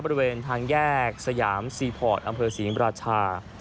บริเวณทางแยกสยามซีพอร์ตอำเภอศรีมราชา